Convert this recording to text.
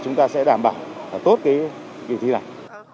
chúng ta sẽ đảm bảo tốt cái thi này